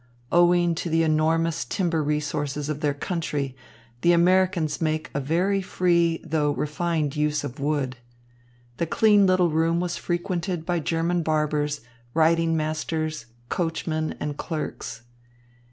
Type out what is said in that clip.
Owing to the enormous timber resources of their country, the Americans make a very free, though refined use of wood. The clean little room was frequented by German barbers, riding masters, coachmen, and clerks.